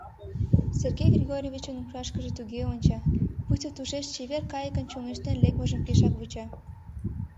Сергей Григорьевичын умшашкыже туге онча, пуйто тушеч чевер кайыкын чоҥештен лекмыжым пешакак вуча.